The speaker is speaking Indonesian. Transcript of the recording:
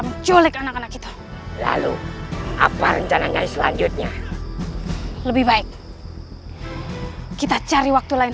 menculik anak anak kita lalu apa rencananya selanjutnya lebih baik kita cari waktu lain